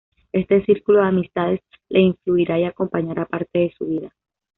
Este círculo de amistades le influirá y acompañará parte de su vida.